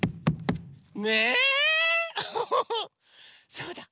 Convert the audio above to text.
そうだ！